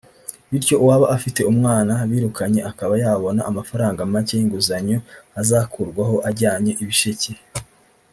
bityo uwaba afite umwana birukanye akaba yabona amafaranga make y’inguzanyo azakurwaho ajyanye ibisheke